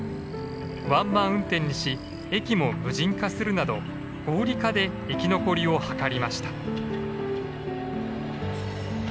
ワンマン運転にし駅も無人化するなど合理化で生き残りを図りました。